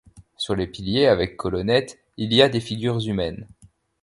Sur les piliers avec colonnettes il y a des figures humaines.